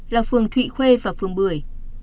là phường thụy khuê và phường bưởi